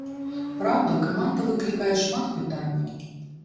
Праўда, каманда выклікае шмат пытанняў.